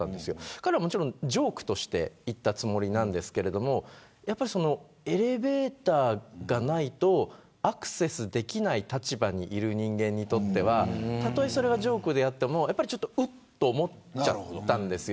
彼はもちろんジョークとして言ったつもりなんですがエレベーターがないとアクセスできない立場にいる人間にとってはそれがジョークであってもちょっと、うっと思っちゃったんです。